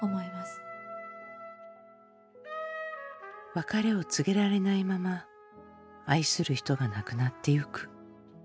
別れを告げられないまま愛する人が亡くなってゆく。